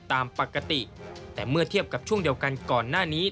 ตามปกติแต่เมื่อเทียบกับช่วงเดียวกันก่อนหน้านี้